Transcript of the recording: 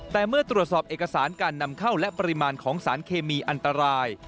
แต่เมื่อตรวจสอบเอกสารการนำเข้าและปริมาณของสารเคมีอันตราย